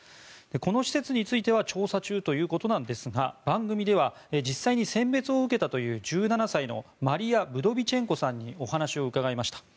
この施設については調査中ということなんですが番組では実際に選別を受けたという１７歳のマリア・ブドビチェンコさんにお話を伺いました。